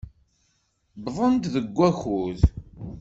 Wwḍent-d deg wakud.